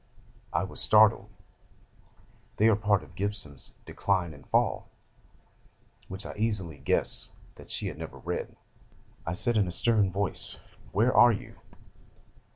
I was startled: they are part of Gibbon's "Decline and Fall," which I easily guessed that she had never read. I said in a stern voice: "Where are you?"